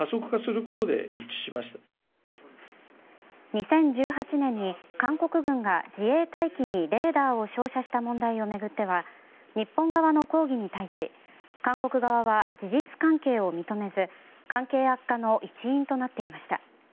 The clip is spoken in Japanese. ２０１８年に韓国軍が自衛隊機にレーダーを照射した問題を巡っては日本側の抗議に対し韓国側は事実関係を認めず関係悪化の一因となっていました。